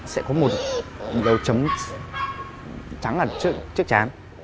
sẽ có một đầu chấm trắng là trước chán